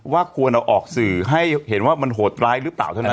ว่าควรอะออกสื่อให้ว่ามันโหดร้ายหรือเปล่าเท่านั้นเอง